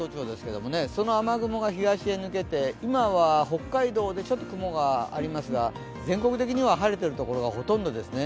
その雨雲が東へ抜けて今は北海道でちょっと雲がありますが全国的には晴れている所がほとんどですね。